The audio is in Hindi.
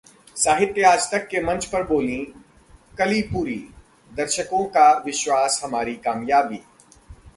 साहित्य आजतक के मंच पर बोलीं कली पुरी- दर्शकों का विश्वास हमारी कामयाबी